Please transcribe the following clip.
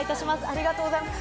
ありがとうございます。